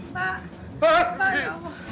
pak pak ya allah